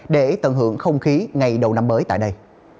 để tận hưởng không khí ngày đầu năm mới tại đây